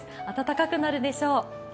暖かくなるでしょう。